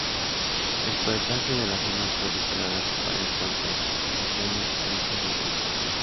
El paisaje de la zona fue decorado con varias plantas artificiales, origen del título.